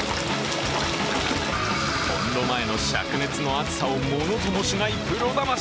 コンロの前のしゃく熱の暑さをものともしないプロ魂。